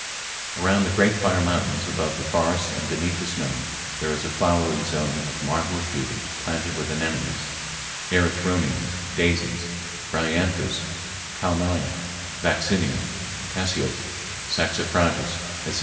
Around the great fire mountains, above the forests and beneath the snow, there is a flowery zone of marvelous beauty planted with anemones, erythroniums, daisies, bryanthus, kalmia, vaccinium, cassiope, saxifrages, etc.